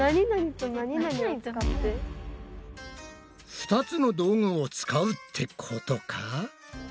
２つの道具を使うってことか？